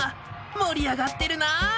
もりあがってるな。